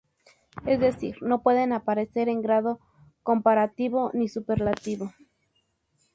Es decir, no pueden aparecer en grado comparativo ni superlativo.